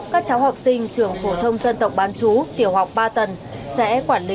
các cháu học sinh trường phổ thông dân tộc ban chú tiểu học ba tầng